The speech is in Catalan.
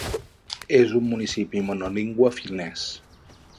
És un municipi monolingüe finès.